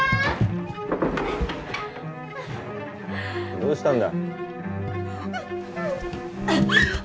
どうしたんだ。